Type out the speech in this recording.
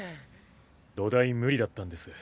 どだい無理だったんです